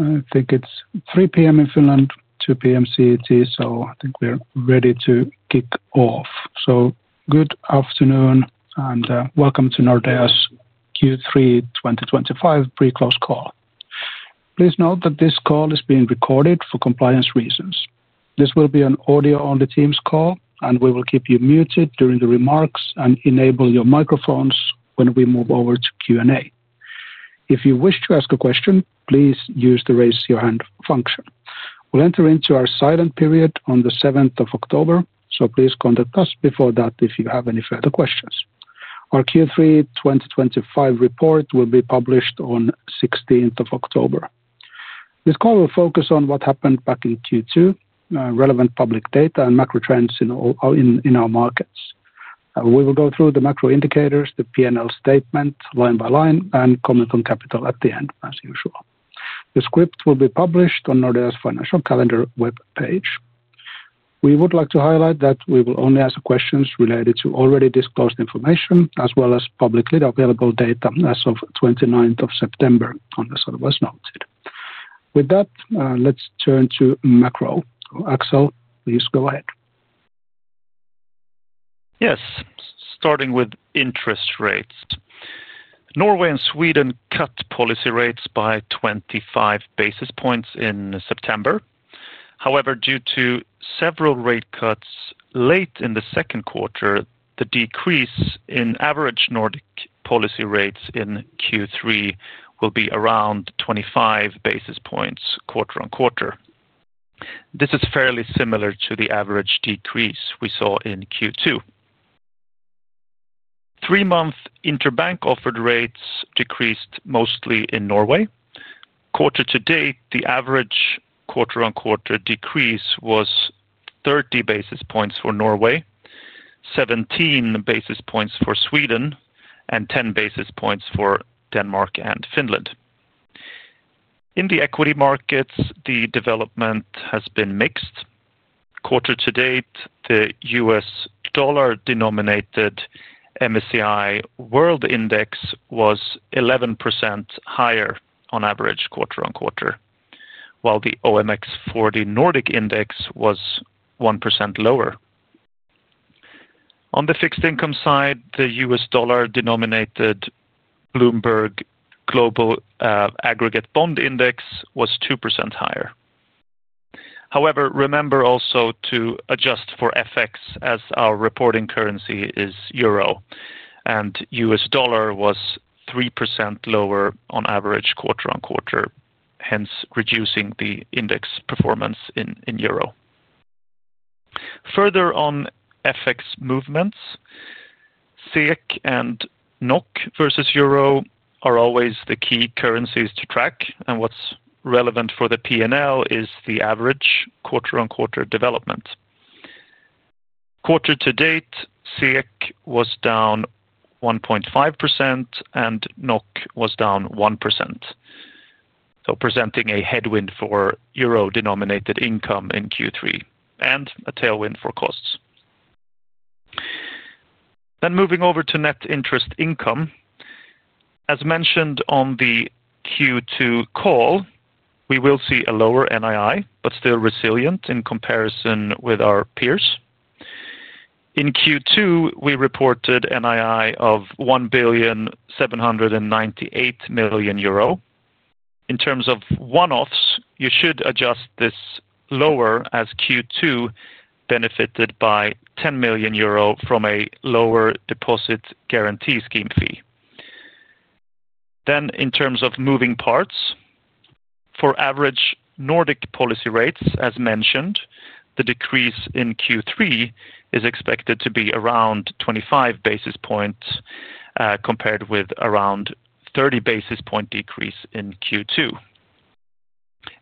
I think it's 3:00 P.M. in Finland, 2:00 P.M. CET. I think we're ready to kick off. Good afternoon and welcome to Nordea's Q3 2025 pre-close call. Please note that this call is being recorded for compliance reasons. This will be an audio-only Teams call, and we will keep you muted during the remarks and enable your microphones when we move over to Q&A. If you wish to ask a question, please use the raise your hand function. We'll enter into our silent period on the 7th of October, so please contact us before that if you have any further questions. Our Q3 2025 report will be published on the 16th of October. This call will focus on what happened back in Q2, relevant public data, and macro trends in our markets. We will go through the macro indicators, the P&L statement line by line, and comment on capital at the end, as usual. The script will be published on Nordeas financial calendar web page. We would like to highlight that we will only answer questions related to already disclosed information, as well as publicly available data as of the 29th of September, unless otherwise noted. With that, let's turn to macro. Axel, please go ahead. Yes, starting with interest rates. Norway and Sweden cut policy rates by 25 basis points in September. However, due to several rate cuts late in the second quarter, the decrease in average Nordic policy rates in Q3 will be around 25 basis points quarter-on-quarter. This is fairly similar to the average decrease we saw in Q2. Three-month interbank offered rates decreased mostly in Norway. Quarter to date, the average quarter-on-quarter decrease was 30 basis points for Norway, 17 basis points for Sweden, and 10 basis points for Denmark and Finland. In the equity markets, the development has been mixed. Quarter to date, the U.S. dollar-denominated MSCI World Index was 11% higher on average quarter-on-quarter, while the OMX 40 Nordic Index was 1% lower. On the fixed income side, the U.S. dollar-denominated Bloomberg Global Aggregate Bond Index was 2% higher. However, remember also to adjust for FX as our reporting currency is euro, and U.S. dollar was 3% lower on average quarter-on-quarter, hence reducing the index performance in euro. Further on FX movements, SEK and NOK versus euro are always the key currencies to track, and what's relevant for the P&L is the average quarter-on-quarter development. Quarter to date, SEK was down 1.5% and NOK was down 1%, presenting a headwind for euro-denominated income in Q3 and a tailwind for costs. Moving over to net interest income. As mentioned on the Q2 call, we will see a lower NII, but still resilient in comparison with our peers. In Q2, we reported an NII of 1.798 billion. In terms of one-offs, you should adjust this lower as Q2 benefited by 10 million euro from a lower deposit guarantee scheme fee. In terms of moving parts, for average Nordic policy rates, as mentioned, the decrease in Q3 is expected to be around 25 basis points compared with around a 30 basis point decrease in Q2.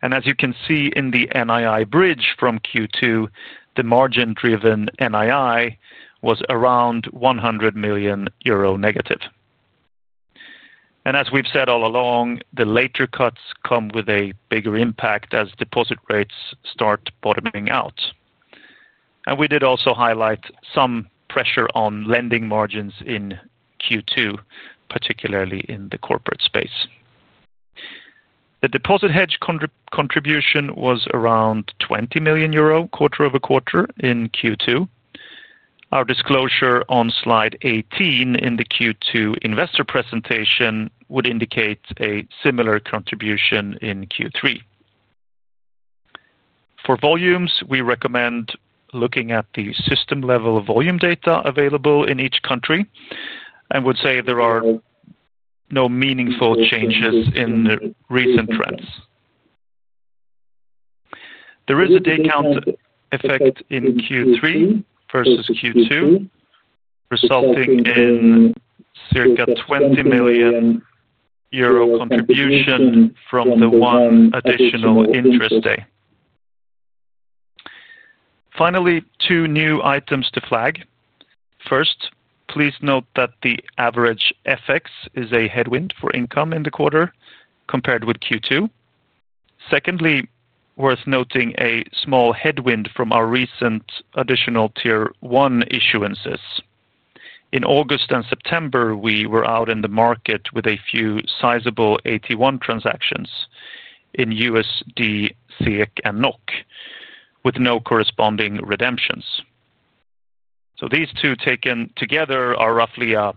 As you can see in the NII bridge from Q2, the margin-driven NII was around 100 million euro negative. As we've said all along, the later cuts come with a bigger impact as deposit rates start bottoming out. We did also highlight some pressure on lending margins in Q2, particularly in the corporate space. The deposit hedge contribution was around 20 million euro quarter-over-quarter in Q2. Our disclosure on slide 18 in the Q2 investor presentation would indicate a similar contribution in Q3. For volumes, we recommend looking at the system-level volume data available in each country and would say there are no meaningful changes in recent trends. There is a discount effect in Q3 versus Q2, resulting in circa 20 million euro contribution from the one additional interest day. Finally, two new items to flag. First, please note that the average FX is a headwind for income in the quarter compared with Q2. Secondly, worth noting a small headwind from our recent Additional Tier 1 (AT1) issuances. In August and September, we were out in the market with a few sizable AT1 transactions in USD, SEK, and NOK with no corresponding redemptions. These two taken together are roughly a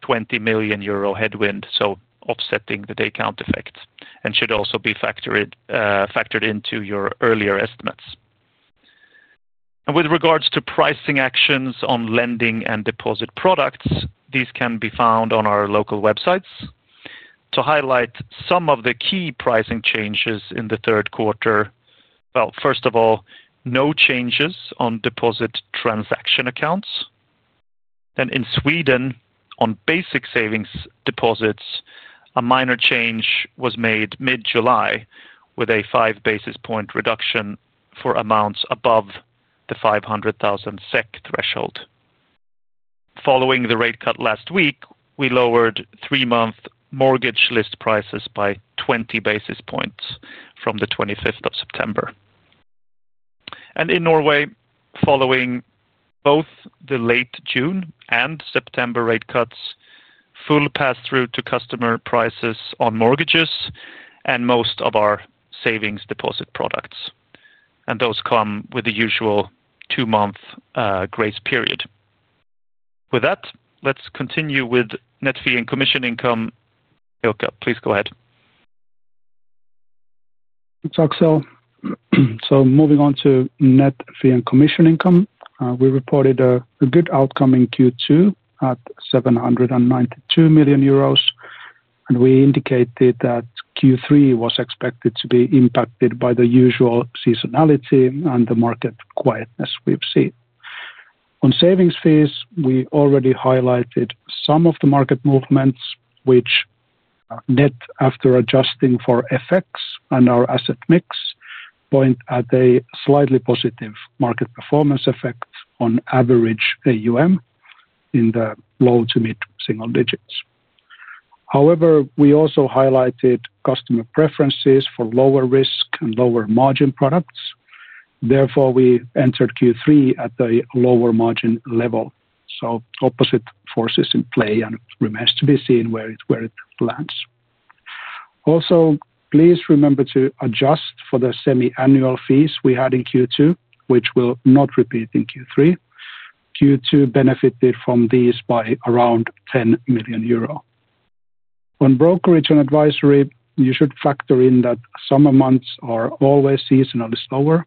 20 million euro headwind, offsetting the discount effect and should also be factored into your earlier estimates. With regards to pricing actions on lending and deposit products, these can be found on our local websites. To highlight some of the key pricing changes in the third quarter, first of all, no changes on deposit transaction accounts. In Sweden, on basic savings deposits, a minor change was made mid-July with a five basis point reduction for amounts above the 500,000 SEK threshold. Following the rate cut last week, we lowered three-month mortgage list prices by 20 basis points from the 25th of September. In Norway, following both the late June and September rate cuts, full pass-through to customer prices on mortgages and most of our savings deposit products. Those come with the usual two-month grace period. With that, let's continue with net fee and commission income. Jukka, please go ahead. Thanks, Axel. Moving on to net fee and commission income, we reported a good outcome in Q2 at 792 million euros, and we indicated that Q3 was expected to be impacted by the usual seasonality and the market quietness we've seen. On savings fees, we already highlighted some of the market movements, which net after adjusting for FX and our asset mix point at a slightly positive market performance effect on average AUM in the low to mid-single digits. However, we also highlighted customer preferences for lower risk and lower margin products. Therefore, we entered Q3 at a lower margin level. Opposite forces are in play and it remains to be seen where it lands. Also, please remember to adjust for the semi-annual fees we had in Q2, which will not repeat in Q3. Q2 benefited from these by around 10 million euro. On brokerage and advisory, you should factor in that summer months are always seasonally slower.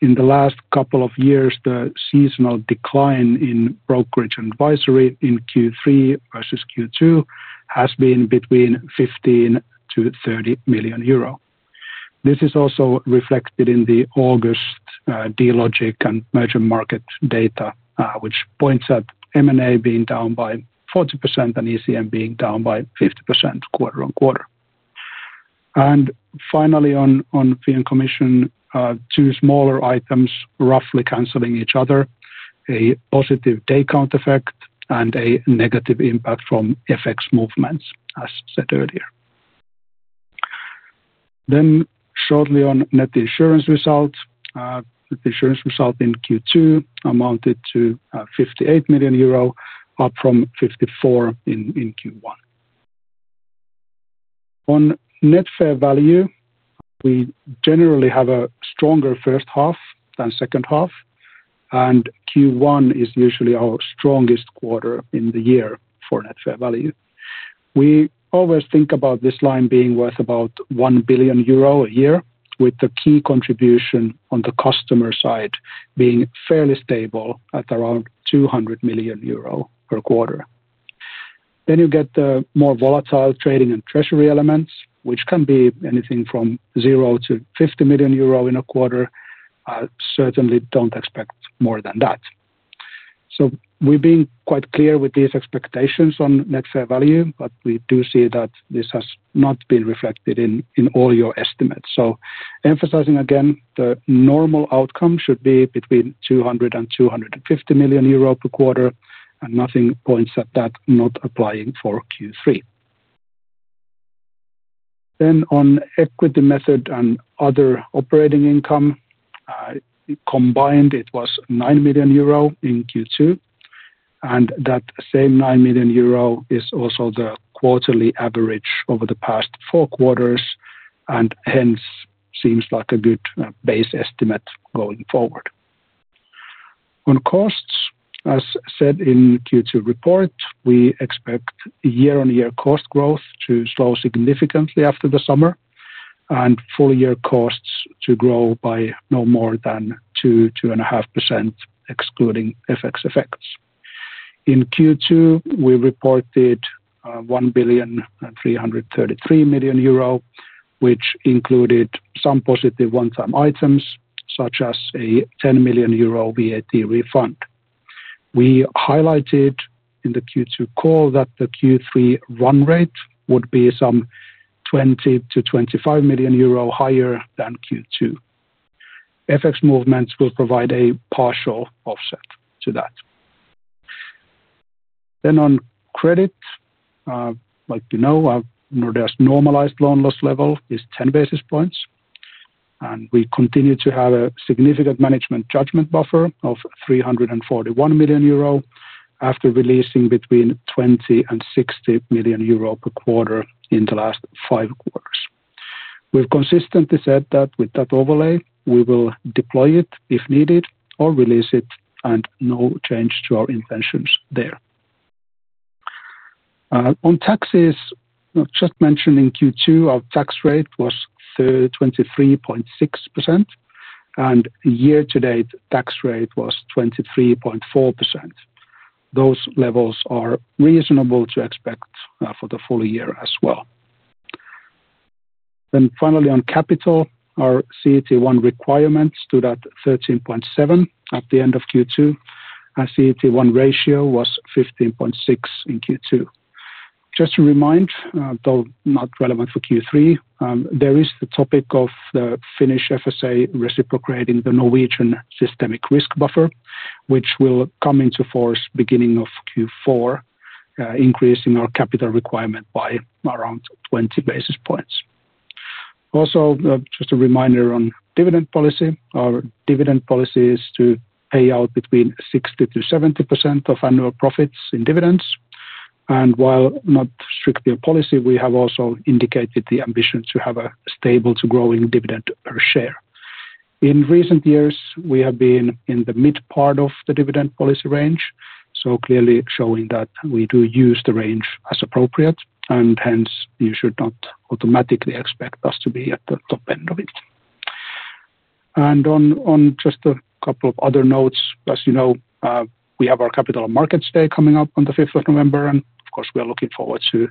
In the last couple of years, the seasonal decline in brokerage and advisory in Q3 versus Q2 has been between 15 million-30 million euro. This is also reflected in the August Dealogic and MergerMarket data, which points at M&A being down by 40% and ECM being down by 50% quarter-on-quarter. Finally, on fee and commission, two smaller items roughly cancel each other, a positive discount effect and a negative impact from FX movements, as said earlier. Shortly on net insurance result, net insurance result in Q2 amounted to 58 million euro, up from 54 million in Q1. On net fair value, we generally have a stronger first half than second half, and Q1 is usually our strongest quarter in the year for net fair value. We always think about this line being worth about 1 billion euro a year, with the key contribution on the customer side being fairly stable at around 200 million euro per quarter. Then you get the more volatile trading and treasury elements, which can be anything from 0 to 50 million euro in a quarter. I certainly don't expect more than that. We have been quite clear with these expectations on net fair value, but we do see that this has not been reflected in all your estimates. Emphasizing again, the normal outcome should be between 200 million euro and 250 million euro per quarter, and nothing points at that not applying for Q3. On equity method and other operating income, combined, it was 9 million euro in Q2, and that same 9 million euro is also the quarterly average over the past four quarters, and hence seems like a good base estimate going forward. On costs, as said in the Q2 report, we expect year-on-year cost growth to slow significantly after the summer, and full-year costs to grow by no more than 2%-2.5%, excluding FX effects. In Q2, we reported 1.333 billion euro, which included some positive one-off items, such as a 10 million euro VAT refund. We highlighted in the Q2 call that the Q3 run rate would be some 20 million-25 million euro higher than Q2. FX movements will provide a partial offset to that. On credit, like we know, Nordea's normalized loan loss level is 10 basis points, and we continue to have a significant management judgment buffer of 341 million euro after releasing between 20 million and 60 million euro per quarter in the last five quarters. We've consistently said that with that overlay, we will deploy it if needed or release it, and no change to our intentions there. On taxes, just mentioned in Q2, our tax rate was 23.6%, and year-to-date tax rate was 23.4%. Those levels are reasonable to expect for the full year as well. On capital, our CET1 requirements stood at 13.7% at the end of Q2, and CET1 ratio was 15.6% in Q2. Just to remind, though not relevant for Q3, there is the topic of the Finnish FSA reciprocating the Norwegian systemic risk buffer, which will come into force beginning of Q4, increasing our capital requirement by around 20 basis points. Also, just a reminder on dividend policy. Our dividend policy is to pay out between 60%-70% of annual profits in dividends. While not strictly a policy, we have also indicated the ambition to have a stable to growing dividend per share. In recent years, we have been in the mid-part of the dividend policy range, so clearly showing that we do use the range as appropriate, and hence you should not automatically expect us to be at the top end of it. On just a couple of other notes, as you know, we have our Capital Markets Day coming up on the 5th of November, and of course, we are looking forward to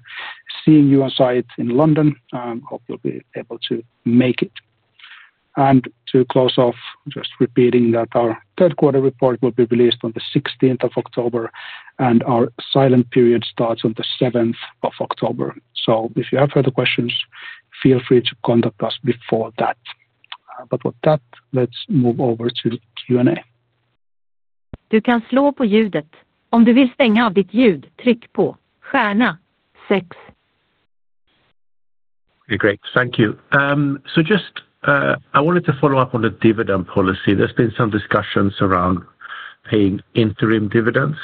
seeing you on site in London. I hope you'll be able to make it. To close off, just repeating that our third quarter report will be released on the 16th of October, and our silent period starts on the 7th of October. If you have further questions, feel free to contact us before that. With that, let's move over to Q&A. You can turn on the sound. If you want to mute yourself, press star 6. Great, thank you. I wanted to follow up on the dividend policy. There's been some discussions around paying interim dividends.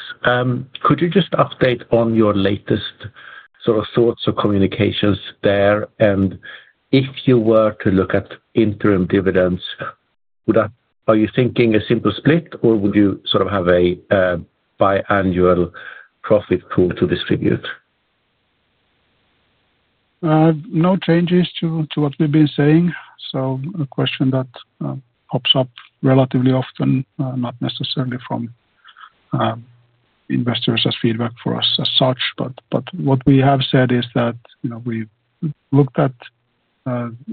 Could you just update on your latest sort of thoughts or communications there, and if you were to look at interim dividends, would that, are you thinking a simple split, or would you sort of have a bi-annual profit pool to distribute? No changes to what we've been saying. A question that pops up relatively often, not necessarily from investors as feedback for us as such, is what we have said is that we've looked at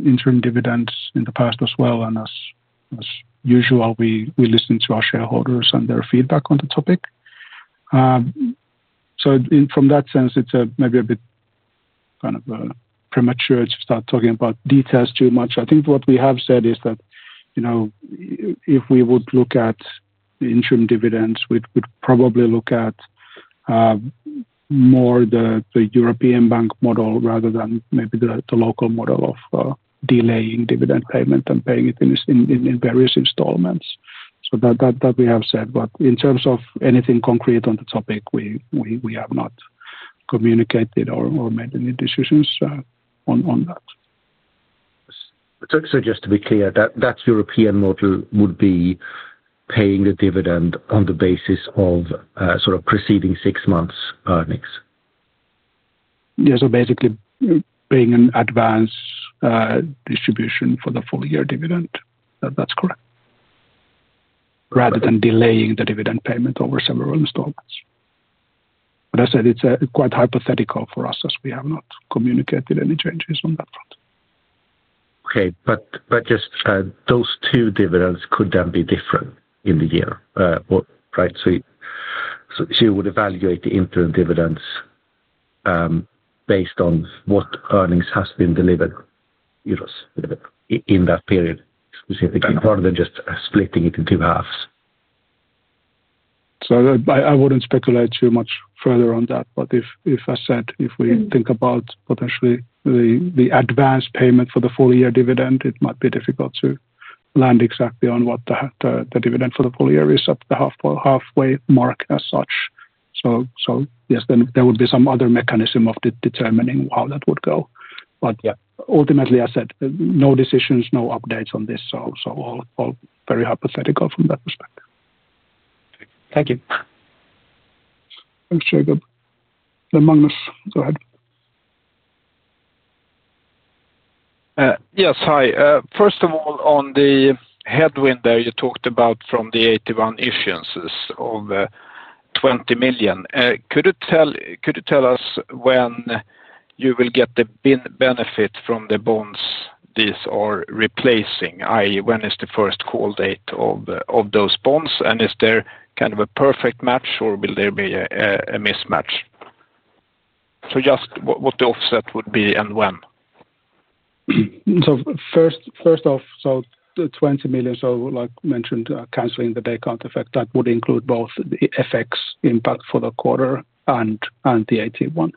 interim dividends in the past as well, and as usual, we listen to our shareholders and their feedback on the topic. From that sense, it's maybe a bit kind of premature to start talking about details too much. I think what we have said is that if we would look at interim dividends, we'd probably look at more the European bank model rather than maybe the local model of delaying dividend payment and paying it in various installments. That we have said, but in terms of anything concrete on the topic, we have not communicated or made any decisions on that. Just to be clear, that European model would be paying the dividend on the basis of sort of preceding six months' earnings? Yeah, so basically paying an advance distribution for the full year dividend. That's correct. Rather than delaying the dividend payment over several installments. As I said, it's quite hypothetical for us as we have not communicated any changes on that front. Okay, just those two dividends could then be different in the year, right? You would evaluate the interim dividends based on what earnings have been delivered in that period specifically, rather than just splitting it into halves. I wouldn't speculate too much further on that. If, as I said, we think about potentially the advance payment for the full year dividend, it might be difficult to land exactly on what the dividend for the full year is at the halfway mark as such. Yes, there would be some other mechanism of determining how that would go. Ultimately, as I said, no decisions, no updates on this, so all very hypothetical from that perspective. Thank you. Thanks, Jacob. Magnus, go ahead. Yes, hi. First of all, on the headwind there you talked about from the AT1 issuances of 20 million, could you tell us when you will get the benefit from the bonds these are replacing, i.e., when is the first call date of those bonds, and is there kind of a perfect match or will there be a mismatch? Just what the offset would be and when. First off, the 20 million, like mentioned, canceling the discount effect, that would include both the FX impact for the quarter and the AT1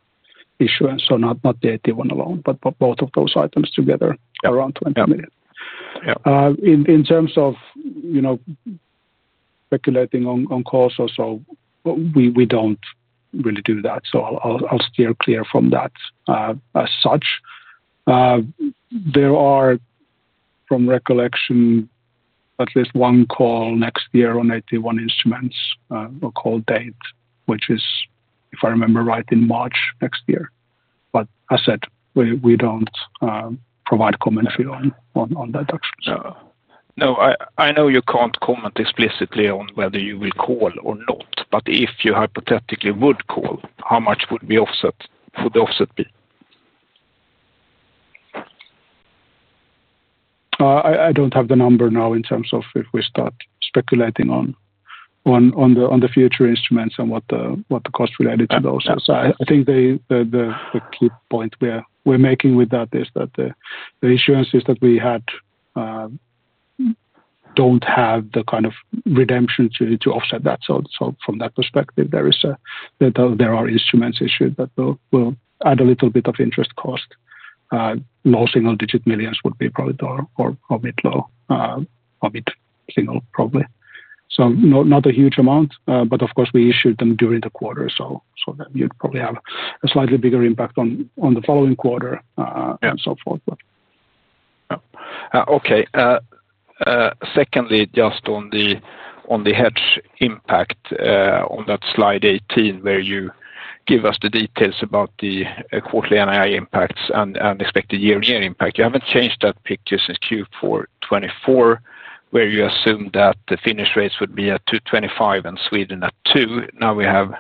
issuance, so not the AT1 alone, but both of those items together around 20 million. In terms of speculating on calls or so, we don't really do that, so I'll steer clear from that as such. There are, from recollection, at least one call next year on AT1 instruments, a call date, which is, if I remember right, in March next year. As I said, we don't provide commentary on that option. No, I know you can't comment explicitly on whether you will call or not, but if you hypothetically would call, how much would the offset be? I don't have the number now in terms of if we start speculating on the future instruments and what the cost related to those. I think the key point we're making with that is that the issuances that we had don't have the kind of redemption to offset that. From that perspective, there are instruments issued that will add a little bit of interest cost. Low single digit millions would be probably or a bit low, a bit single probably. Not a huge amount, but of course, we issued them during the quarter, so that you'd probably have a slightly bigger impact on the following quarter and so forth. Okay. Secondly, just on the hedge impact on that slide 18 where you give us the details about the quarterly NII impacts and expected year-on-year impact, you haven't changed that picture since Q4 2024 where you assumed that the Finnish rates would be at 2.25% and Sweden at 2%. Now we have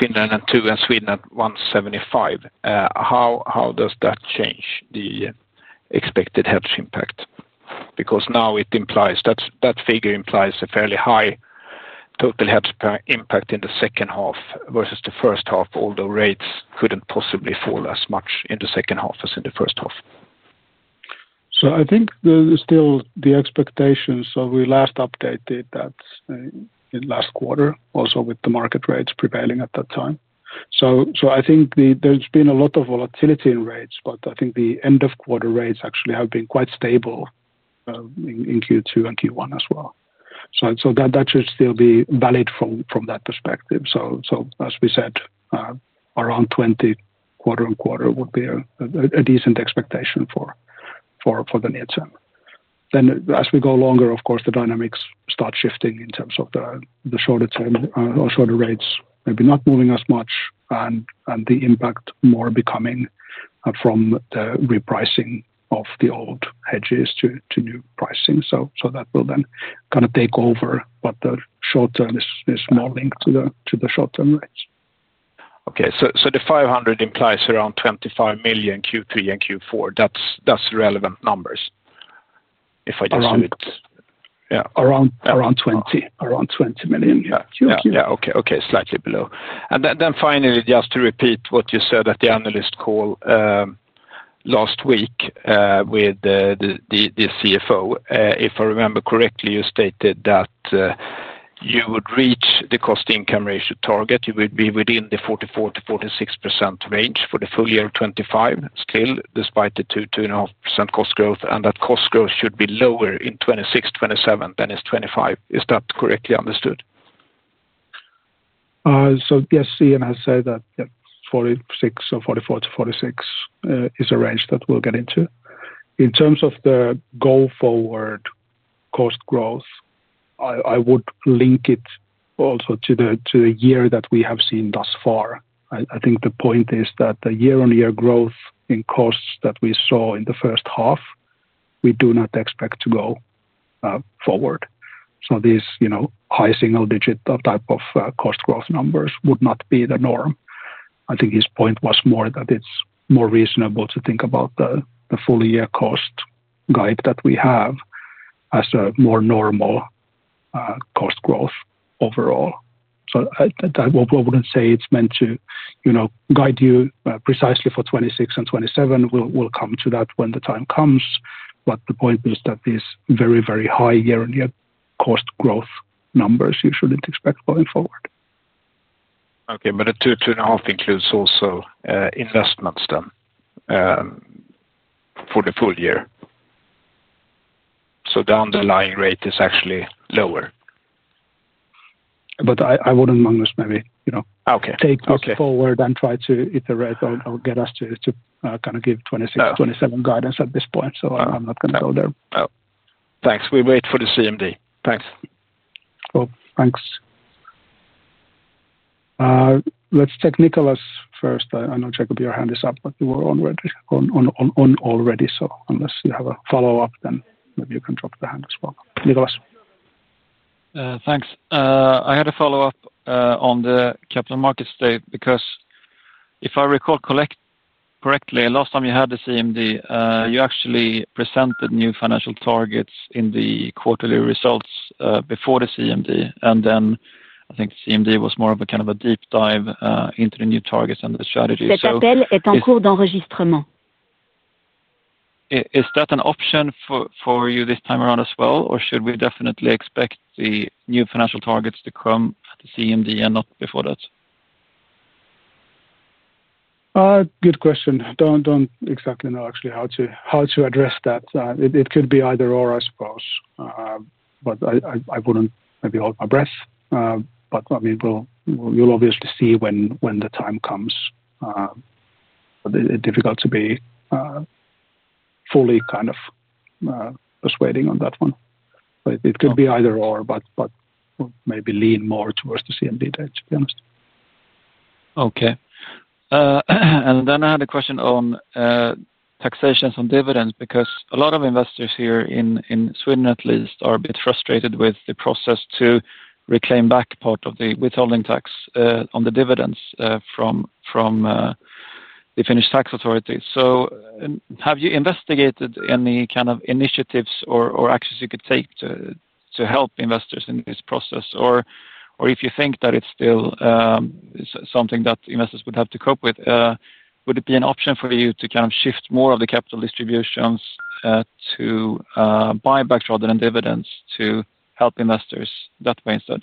Finland at 2% and Sweden at 1.75%. How does that change the expected hedge impact? Because now it implies that figure implies a fairly high total hedge impact in the second half versus the first half, although rates couldn't possibly fall as much in the second half as in the first half. I think there's still the expectation, we last updated that in last quarter, also with the market rates prevailing at that time. I think there's been a lot of volatility in rates, but I think the end-of-quarter rates actually have been quite stable in Q2 and Q1 as well. That should still be valid from that perspective. As we said, around 20 million quarter-on-quarter would be a decent expectation for the near term. As we go longer, of course, the dynamics start shifting in terms of the shorter term or shorter rates, maybe not moving as much, and the impact more becoming from the repricing of the old hedges to new pricing. That will then kind of take over, but the short term is more linked to the short term rates. Okay, so the 500 implies around 25 million Q3 and Q4. That's relevant numbers, if I just do it. Around 20 million, yeah. Okay, slightly below. Finally, just to repeat what you said at the analyst call last week with the CFO, if I remember correctly, you stated that you would reach the cost-income ratio target. You would be within the 44%-46% range for the full year of 2025, still despite the 2%-2.5% cost growth, and that cost growth should be lower in 2026-2027 than it is in 2025. Is that correctly understood? Ian has said that 44%-46% is a range that we'll get into. In terms of the go-forward cost growth, I would link it also to the year that we have seen thus far. I think the point is that the year-on-year growth in costs that we saw in the first half, we do not expect to go forward. These high single-digit type of cost growth numbers would not be the norm. I think his point was more that it's more reasonable to think about the full-year cost guide that we have as a more normal cost growth overall. I wouldn't say it's meant to guide you precisely for 2026 and 2027. We'll come to that when the time comes. The point is that these very, very high year-on-year cost growth numbers usually expect going forward. Okay, but a 2%-2.5% includes also investments then for the full year. The underlying rate is actually lower. I wouldn't, Magnus, maybe, you know, take this forward and try to iterate or get us to kind of give 2026-2027 guidance at this point. I'm not going to go there. Thanks. We wait for the Capital Markets Day (CMD). Thanks. Let's take Nicolas first. I know Jacob, your hand is up, but you were on already. Unless you have a follow-up, maybe you can drop the hand as well. Nicolas. Thanks. I had a follow-up on the Capital Markets Day because if I recall correctly, last time you had the CMD, you actually presented new financial targets in the quarterly results before the CMD. I think the CMD was more of a kind of a deep dive into the new targets and the strategy. This call is being recorded. Is that an option for you this time around as well, or should we definitely expect the new financial targets to come at the CMD and not before that? Good question. I don't exactly know actually how to address that. It could be either or, I suppose. I wouldn't maybe hold my breath. I mean, you'll obviously see when the time comes. It's difficult to be fully kind of persuading on that one. It could be either or, but maybe lean more towards the CMD, to be honest. Okay. I had a question on taxations on dividends because a lot of investors here in Sweden at least are a bit frustrated with the process to reclaim back part of the withholding tax on the dividends from the Finnish tax authorities. Have you investigated any kind of initiatives or actions you could take to help investors in this process? If you think that it's still something that investors would have to cope with, would it be an option for you to shift more of the capital distributions to buybacks rather than dividends to help investors that way instead?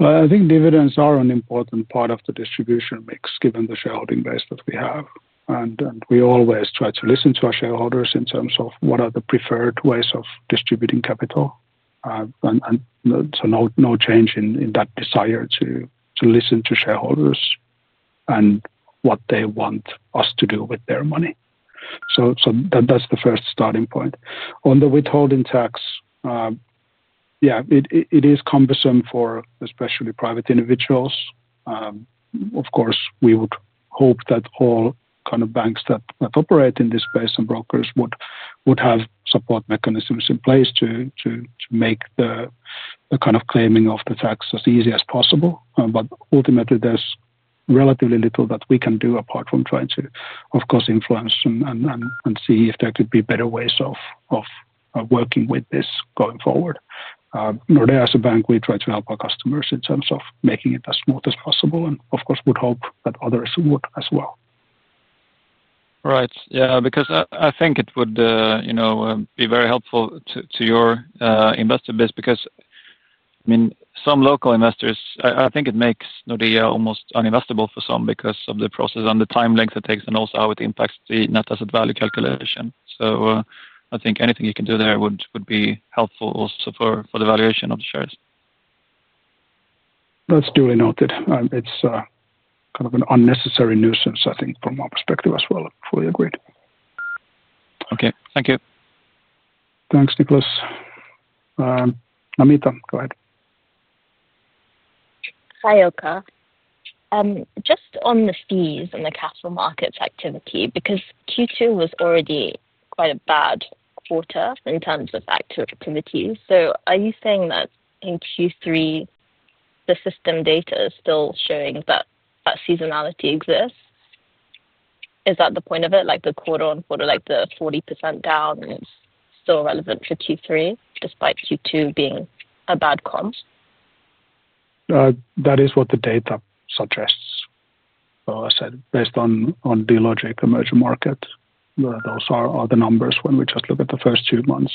I think dividends are an important part of the distribution mix given the shareholding base that we have. We always try to listen to our shareholders in terms of what are the preferred ways of distributing capital. There is no change in that desire to listen to shareholders and what they want us to do with their money. That's the first starting point. On the withholding tax, yeah, it is cumbersome for especially private individuals. Of course, we would hope that all kinds of banks that operate in this space and brokers would have support mechanisms in place to make the claiming of the tax as easy as possible. Ultimately, there's relatively little that we can do apart from trying to, of course, influence and see if there could be better ways of working with this going forward. Nordea as a bank, we try to help our customers in terms of making it as smooth as possible. We would hope that others would as well. Right. Yeah, because I think it would be very helpful to your investor base because, I mean, some local investors, I think it makes Nordea almost uninvestable for some because of the process and the time length it takes and also how it impacts the net asset value calculation. I think anything you can do there would be helpful also for the valuation of the shares. That's duly noted. It's kind of an unnecessary nuisance, I think, from our perspective as well. Fully agree. Okay. Thank you. Thanks, Nicolas. Namita, go ahead. Hi, Ilkka. Just on the fees and the capital markets activity, because Q2 was already quite a bad quarter in terms of activity. Are you saying that in Q3, the system data is still showing that seasonality exists? Is that the point of it? The quarter-on-quarter, like the 40% down, is still relevant for Q3 despite Q2 being a bad con? That is what the data suggests. As I said, based on Dealogic and MergerMarket, those are the numbers when we just look at the first two months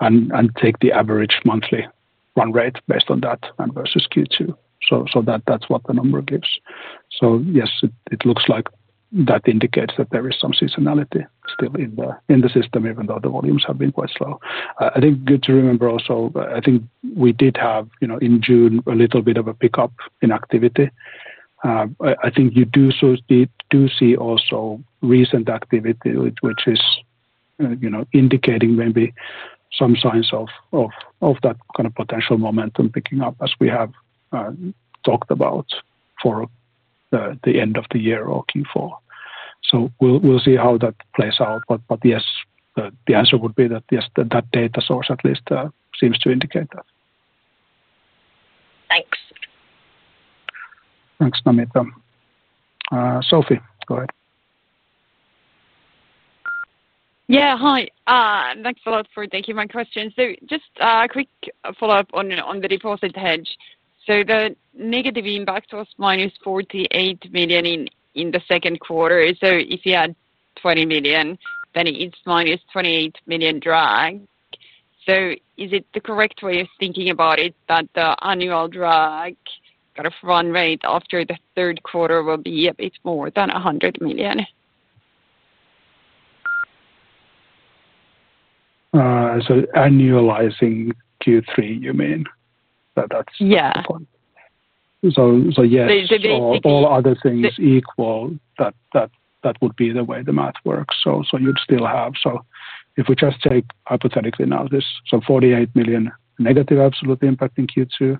and take the average monthly run rate based on that versus Q2. That's what the number gives. Yes, it looks like that indicates that there is some seasonality still in the system, even though the volumes have been quite slow. Good to remember also, we did have in June a little bit of a pickup in activity. You do see also recent activity, which is indicating maybe some signs of that kind of potential momentum picking up as we have talked about for the end of the year or Q4. We'll see how that plays out. Yes, the answer would be that data source at least seems to indicate that. Thanks. Thanks, Namita. Sofie, go ahead. Yeah, hi. Thanks a lot for taking my question. Just a quick follow-up on the deposit hedge. The negative impact was -48 million in the second quarter. If you add 20 million, then it's a -28 million drag. Is it the correct way of thinking about it that the annual drag kind of run rate after the third quarter will be a bit more than 100 million? Annualizing Q3, you mean? Yeah. All other things equal, that would be the way the math works. You'd still have, if we just take hypothetically now this, 48 million negative absolute impact in Q2.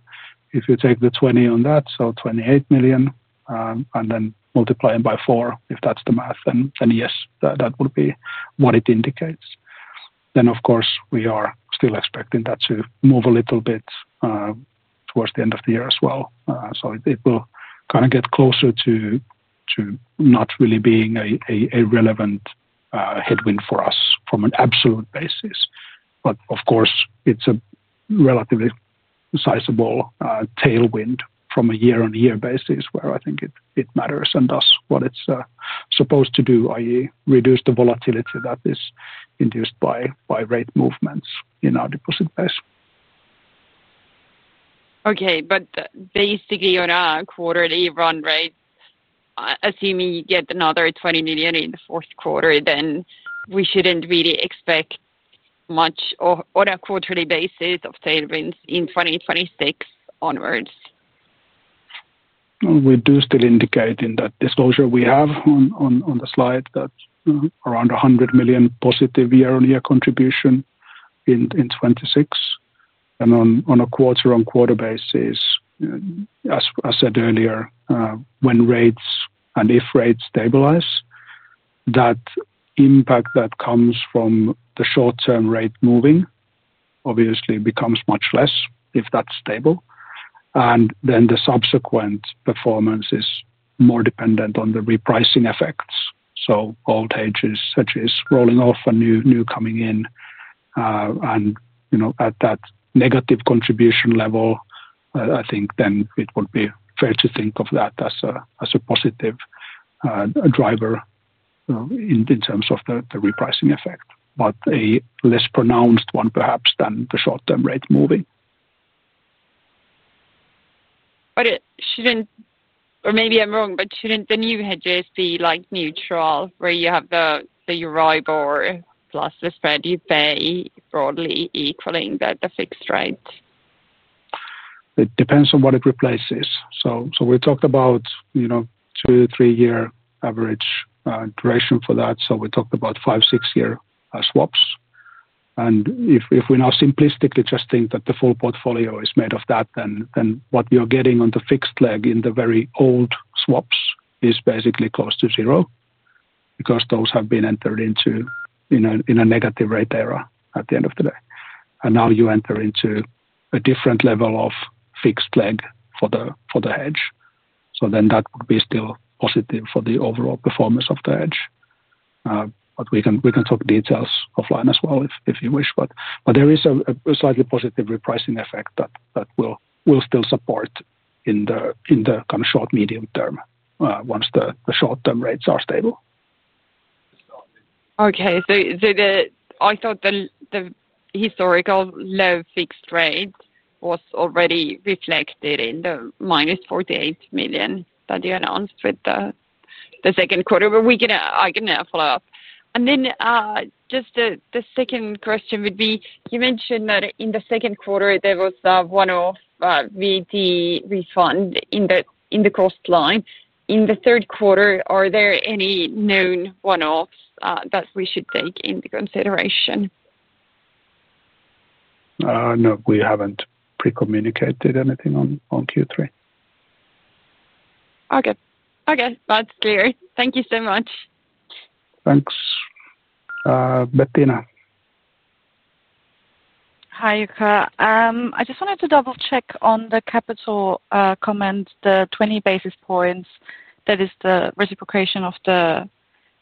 If you take the 20 on that, so 28 million, and then multiply it by four, if that's the math, then yes, that would be what it indicates. Of course, we are still expecting that to move a little bit towards the end of the year as well. It will kind of get closer to not really being a relevant headwind for us from an absolute basis. Of course, it's a relatively sizable tailwind from a year-on-year basis where I think it matters and does what it's supposed to do, i.e., reduce the volatility that is induced by rate movements in our deposit base. Okay, basically on a quarterly run rate, assuming you get another 20 million in the fourth quarter, then we shouldn't really expect much on a quarterly basis of tailwinds in 2026 onwards. We do still indicate in that disclosure we have on the slide that around 100 million positive year-on-year contribution in 2026. On a quarter-on-quarter basis, as I said earlier, when rates and if rates stabilize, that impact that comes from the short-term rate moving obviously becomes much less if that's stable. The subsequent performance is more dependent on the repricing effects. Old hedges such as rolling off and new coming in, at that negative contribution level, I think it would be fair to think of that as a positive driver in terms of the repricing effect, but a less pronounced one perhaps than the short-term rate moving. Shouldn't the new hedges be like neutral, where you have the Euribor plus the spread you pay broadly equaling the fixed rate? It depends on what it replaces. We talked about, you know, two to three-year average duration for that. We talked about five, six-year swaps. If we now simplistically just think that the full portfolio is made of that, what you're getting on the fixed leg in the very old swaps is basically close to zero because those have been entered into in a negative rate era at the end of the day. Now you enter into a different level of fixed leg for the hedge. That would be still positive for the overall performance of the hedge. We can talk details offline as well if you wish. There is a slightly positive repricing effect that will still support in the kind of short, medium term once the short-term rates are stable. Okay, I thought the historical low fixed rate was already reflected in the -48 million that you announced with the second quarter, but I can follow up. The second question would be, you mentioned that in the second quarter there was the one-off VAT refund in the cost line. In the third quarter, are there any known one-offs that we should take into consideration? No, we haven't pre-communicated anything on Q3. Okay, that's clear. Thank you so much. Thanks. Bettina. Hi, I just wanted to double-check on the capital comment, the 20 basis points. That is the reciprocation of the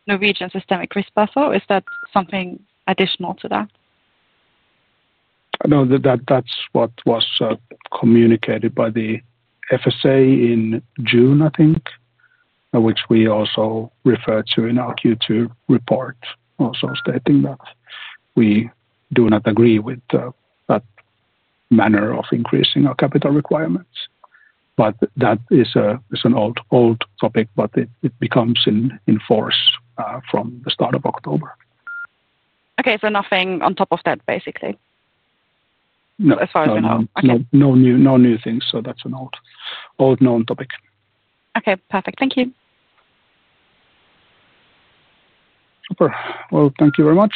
Norwegian systemic risk buffer. Is that something additional to that? No, that's what was communicated by the FSA in June, I think, which we also referred to in our Q2 report, also stating that we do not agree with that manner of increasing our capital requirements. That is an old topic, but it becomes in force from the start of October. Okay, so nothing on top of that, basically. No. As far as you know. No new things, that's an old, old known topic. Okay, perfect. Thank you. Super. Thank you very much.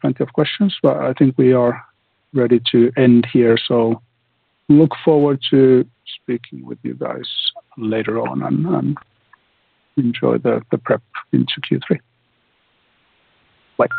Plenty of questions, but I think we are ready to end here. Look forward to speaking with you guys later on and enjoy the prep into Q3.